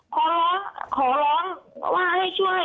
ขอร้องขอร้องว่าให้ช่วย